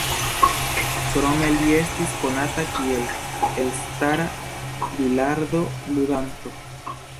Krome li estis konata kiel elstara bilardo-ludanto.